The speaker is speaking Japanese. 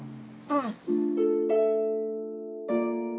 うん。